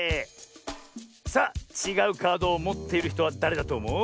さあちがうカードをもっているひとはだれだとおもう？